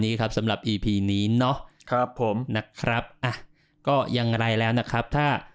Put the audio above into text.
นี้ครับสำหรับอีพีนี้เนาะครับผมนะครับอ่ะก็อย่างไรแล้วนะครับถ้า